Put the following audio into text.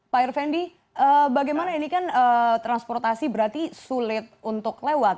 pak irvendi bagaimana ini kan transportasi berarti sulit untuk lewat